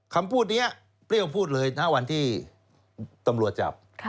คำพูดนี้เปรี้ยวพูดเลยนะวันที่ตำรวจจับ